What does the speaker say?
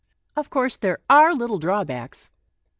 Of course there are little drawbacks.